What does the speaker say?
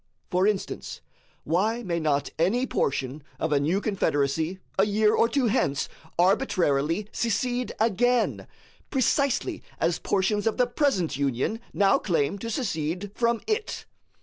For instance, why may not any portion of a new confederacy a year or two hence arbitrarily secede again, precisely as portions of the present Union now claim to secede from it?